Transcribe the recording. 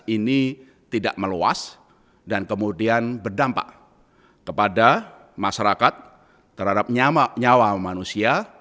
ini tidak meluas dan kemudian berdampak kepada masyarakat terhadap nyawa manusia